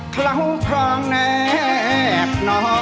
เคราะห์พรองแนบน้อง